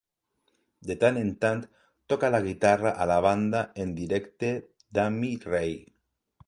De tant en tant toca la guitarra a la banda en directe d'Amy Ray.